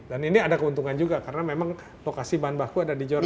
dan ini ada keuntungan juga karena memang lokasi bahan baku ada di jordan